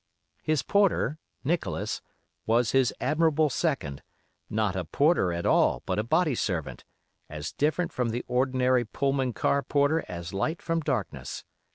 "His porter, Nicholas, was his admirable second; not a porter at all, but a body servant; as different from the ordinary Pullman car porter as light from darkness.